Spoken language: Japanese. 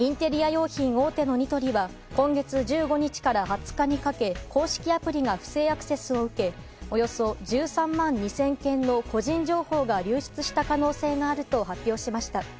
用品大手のニトリは今月１５日から２０日にかけ公式アプリが不正アクセスを受けおよそ１３万２０００件の個人情報が流出した可能性があると発表しました。